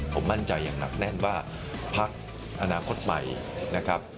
ผมมั่นใจอย่างหนักแน่นว่าพักอนาคตใหม่นะครับ